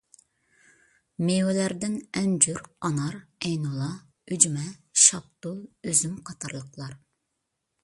مېۋىلەردىن ئەنجۈر، ئانار، ئەينۇلا، ئۈجمە، شاپتۇل، ئۈزۈم قاتارلىقلار.